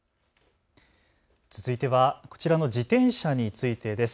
続いてはこちらの自転車についてです。